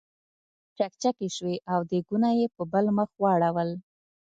چکچکې شوې او دیګونه یې په بل مخ واړول.